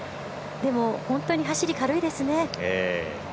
でも、本当に走り軽いですね。